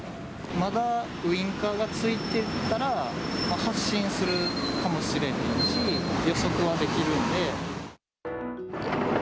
まだウインカーがついてたら、発進するかもしれへんし、予測はできるので。